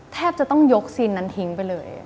แทบจะต้องยกซีนนั้นทิ้งไปเลย